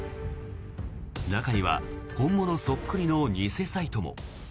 中には本物そっくりの偽サイトも。